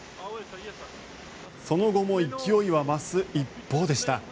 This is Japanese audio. その後も勢いは増す一方でした。